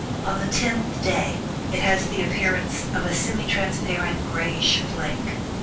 On the TENTH DAY it has the appearance of a semi transparent grayish flake.